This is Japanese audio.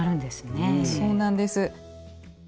そうなんです。